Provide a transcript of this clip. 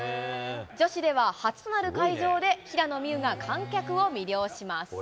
女子では初となる会場で、平野美宇が観客を魅了します。